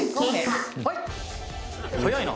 「早いな。